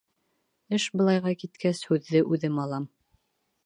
Эш былайға киткәс, һүҙҙе үҙем алам.